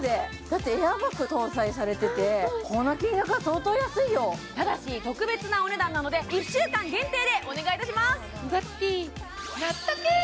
だってエアーバッグ搭載されててこの金額は相当安いよただし特別なお値段なので１週間限定でお願いいたします